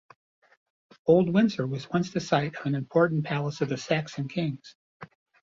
Old Windsor was once the site of an important palace of the Saxon Kings.